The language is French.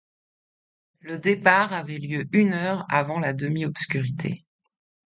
Le départ avait lieu une heure avant la demi-obscurité.